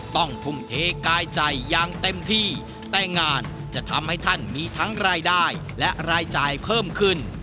ทุ่มเทกายใจอย่างเต็มที่แต่งานจะทำให้ท่านมีทั้งรายได้และรายจ่ายเพิ่มขึ้น